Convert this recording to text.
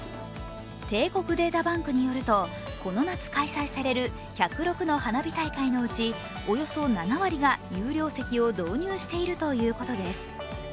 帝国データバンクによるとこの夏開催される１０６の花火大会のうち、およそ７割が有料席を導入しているということです。